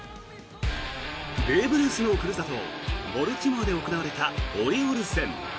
ベーブ・ルースのふるさとボルティモアで行われたオリオールズ戦。